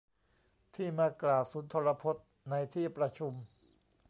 ที่มากล่าวสุนทรพจน์ในที่ประชุม